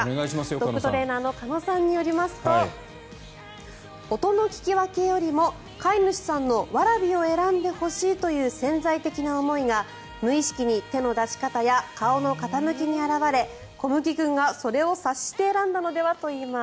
ドッグトレーナーの鹿野さんによりますと音の聞き分けよりも飼い主さんのわらびを選んでほしいという潜在的な思いが無意識に手の出し方や顔の傾きに表れこむぎ君がそれを察して選んだのではといいます。